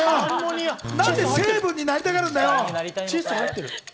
何で成分になりたがるんだよ。